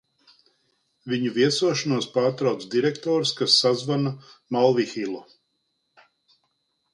Viņu viesošanos pārtrauc direktors, kas sazvana Malvihilu.